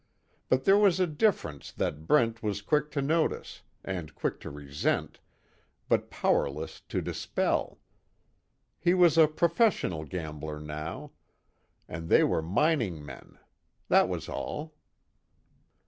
But there was a difference that Brent was quick to notice, and quick to resent, but powerless to dispel. He was a professional gambler, now and they were mining men that was all.